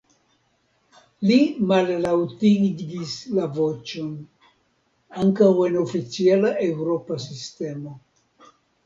Li mallaŭtigis la voĉon: “Ankaŭ en oficiala eŭropa sistemo.